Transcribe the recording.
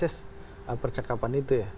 persis percakapan itu ya